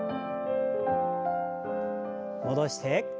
戻して。